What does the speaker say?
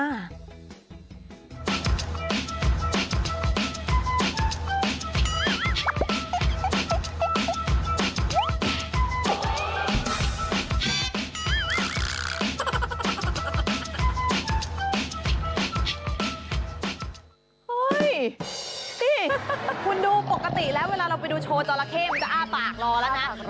เฮ้ยสิคุณดูปกติแล้วเวลาเราไปดูโชว์จราเข้มันจะอ้าปากรอแล้วนะ